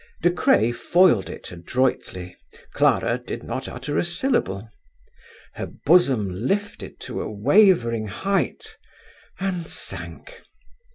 De Craye foiled it adroitly. Clara did not utter a syllable. Her bosom lifted to a wavering height and sank.